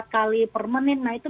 dua puluh empat kali per menit nah itu